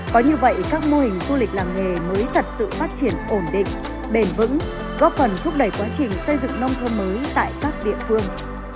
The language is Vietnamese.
có như vậy các mô hình du lịch làng nghề mới thật sự phát triển ổn định bền vững góp phần thúc đẩy quá trình xây dựng nông thôn mới tại các địa phương